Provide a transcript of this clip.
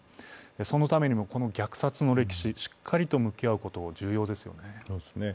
そのためにもこの虐殺の歴史にしっかりと向き合うことが重要ですね。